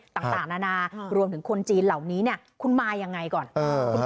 ต่างนานารวมถึงคนจีนเหล่านี้เนี่ยคุณมายังไงก่อน